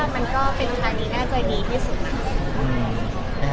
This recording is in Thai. มันก็เป็นอุณหารีน่าจะดีที่สุด